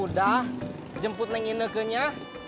udah jemput nengi neke nya